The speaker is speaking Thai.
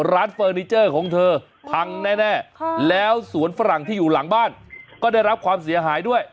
เฟอร์นิเจอร์ของเธอพังแน่แล้วสวนฝรั่งที่อยู่หลังบ้านก็ได้รับความเสียหายด้วย